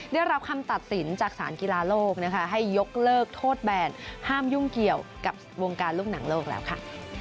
ได้รับคำตัดสินจากสารกีฬาโลกนะคะให้ยกเลิกโทษแบนห้ามยุ่งเกี่ยวกับวงการลูกหนังโลกแล้วค่ะ